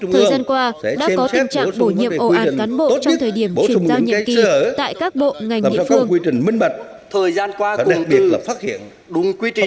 thời gian qua đã có tình trạng bổ nhiệm ổ án cán bộ trong thời điểm chuyển giao nhiệm kỳ tại các bộ ngành địa phương